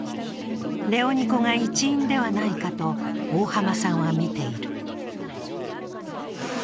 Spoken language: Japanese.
ネオニコが一因ではないかと大浜さんはみている。